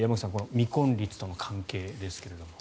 未婚率との関係ですが。